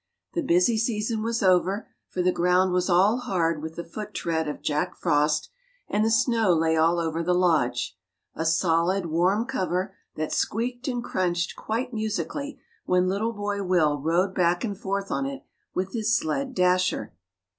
The busy season was over, for the ground was all hard with the foot tread of Jack Frost and the snow lay all over the lodge a solid, warm cover that squeaked and crunched quite musically when little Boy Will rode back and forth on it with his sled Dasher.